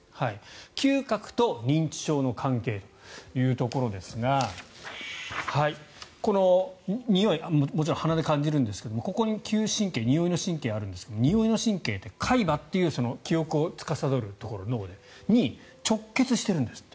嗅覚と認知症の関係というところですがにおいもちろん鼻で感じるんですがここに嗅神経においの神経があるんですがにおいの神経って海馬という記憶をつかさどるところに直結してるんですって。